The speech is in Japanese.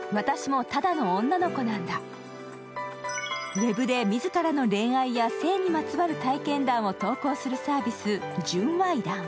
ウェブで自らの恋愛を性にまつわる体験談を投稿するサービス、純猥談。